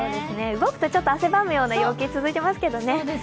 動くとちょっと汗ばむような陽気が続いてますけどね。